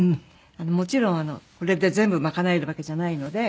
もちろんこれで全部賄えるわけじゃないので。